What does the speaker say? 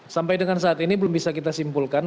sampai dengan saat ini belum bisa kita simpulkan